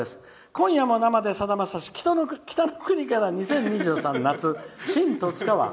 「今夜も生でさだまさし北の国から２０２３夏新十津川」。